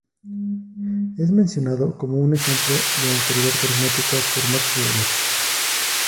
Es mencionado como un ejemplo de "autoridad carismática" por Max Weber.